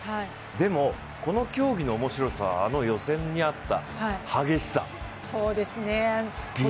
でも、この競技の面白さはあの予選にあった激しさ。